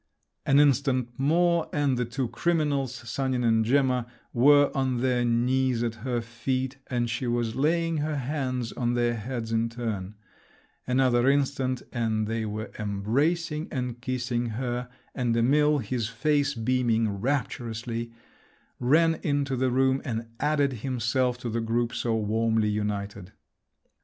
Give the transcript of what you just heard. An instant more and the two criminals, Sanin and Gemma, were on their knees at her feet, and she was laying her hands on their heads in turn; another instant and they were embracing and kissing her, and Emil, his face beaming rapturously, ran into the room and added himself to the group so warmly united.